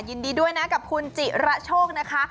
ยินดีด้วยนะกับคุณจิระโชคนะคะ